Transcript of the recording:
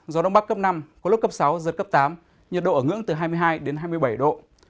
gió đông bắc cấp năm có lúc cấp sáu giật cấp tám nhiệt độ ở ngưỡng từ hai mươi hai đến hai mươi bảy độ